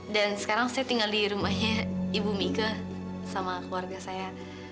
dan sekarang saya tinggal di rumahnya ibu mika sama keluarga saya